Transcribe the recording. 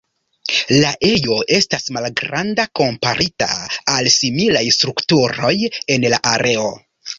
La ejo estas malgranda komparita al similaj strukturoj en la areo.